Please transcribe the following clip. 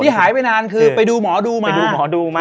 ที่หายไปนานคือไปดูหมอดูมาไปดูหมอดูมา